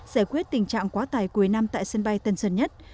giải quyết tình trạng quá tải cuối năm tại sân bay tân sơn nhất